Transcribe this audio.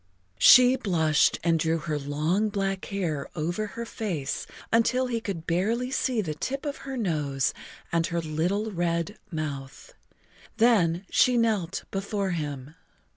She blushed and drew her long black hair over her face until he could barely see the tip of her nose and her little red mouth. Then she knelt before him.